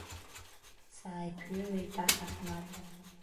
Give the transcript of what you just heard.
Сааиԥыҩлеит аҭаҳмада.